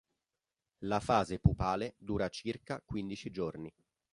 La fase pupale dura circa quindici giorni.